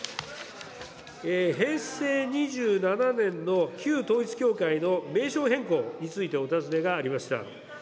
平成２７年の旧統一教会の名称変更についてお尋ねがありました。